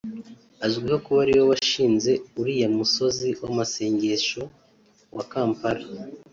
azwiho kuba ariwe washinze uriya musozi w’amasengesho wa Kampala